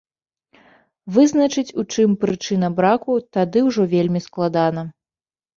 Вызначыць, у чым прычына браку, тады ўжо вельмі складана.